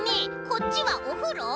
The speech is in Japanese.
こっちはおふろ？」。